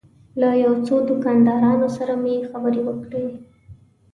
له یو څو دوکاندارانو سره مې خبرې وکړې.